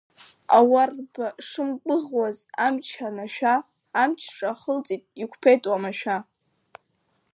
Ауарба шымгәыӷуаз, амч анашәа, амч ҿа ахылҵит, иқәԥеит уамашәа.